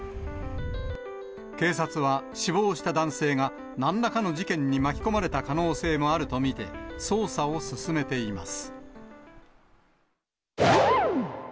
警察は死亡した男性がなんらかの事件に巻き込まれた可能性もあると見て、捜査を進めています。